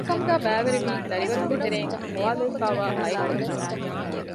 މިކަމުގައި ބައިވެރިވީ ދަރިވަރުންގެ ތެރެއިން ހޮވާލެވިފައިވާ ހައެއްކަ ކުދީން